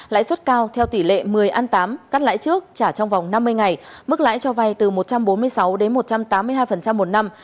lãi suất cao theo tỷ lệ một mươi a tám cắt lãi trước trả trong vòng năm mươi ngày mức lãi cho vai từ một trăm bốn mươi sáu đến một trăm tám mươi hai một năm